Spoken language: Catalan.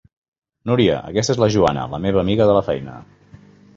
Núria, aquesta és la Joana, la meva amiga de feina.